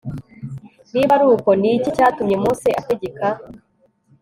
niba ari uko, ni iki cyatumye mose ategeka